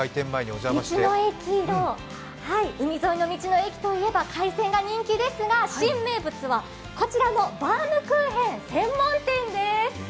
海沿いの道の駅といえば、海鮮が人気ですが新名物はこちらのバウムクーヘン専門店です。